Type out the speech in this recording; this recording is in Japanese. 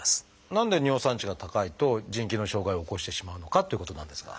何で尿酸値が高いと腎機能障害を起こしてしまうのかっていうことなんですが。